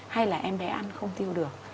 hay là em bé ăn không tiêu được